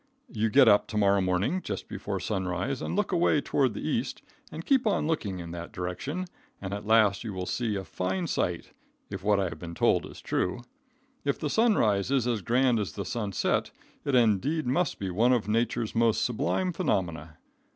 You get up to morrow morning just before sunrise and look away toward the east, and keep on looking in that direction, and at last you will see a fine sight, if what I have been told is true. If the sunrise is as grand as the sunset, it indeed must be one of nature's most sublime phenomena.